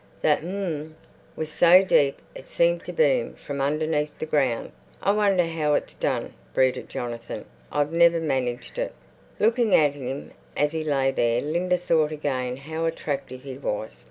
The "Hum" was so deep it seemed to boom from underneath the ground. "I wonder how it's done," brooded Jonathan; "I've never managed it." Looking at him as he lay there, Linda thought again how attractive he was.